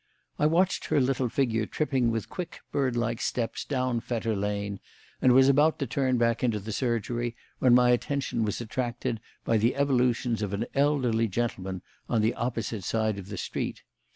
I watched her little figure tripping with quick, bird like steps down Fetter Lane, and was about to turn back into the surgery when my attention was attracted by the evolutions of an elderly gentleman on the opposite side of the street.